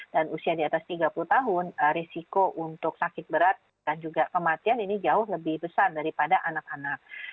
dan usia di atas tiga puluh tahun resiko untuk sakit berat dan juga kematian ini jauh lebih besar daripada anak anak